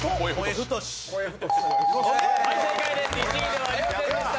正解です、１位ではありませんでした。